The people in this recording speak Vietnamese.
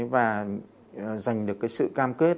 và giành được sự cam kết